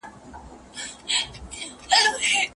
ښځه بايد د حيض ختمېدو سره څه وکړي؟